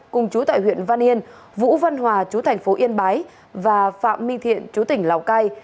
cùng chú tại huyện văn yên vũ văn hòa chú thành phố yên bái và phạm minh thiện chú tỉnh lào cai